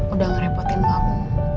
udah ngerepotin kamu